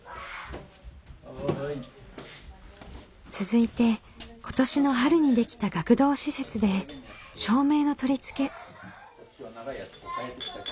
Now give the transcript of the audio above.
続いて今年の春にできた学童施設で照明の取り付け。